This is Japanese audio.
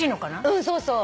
うんそうそう。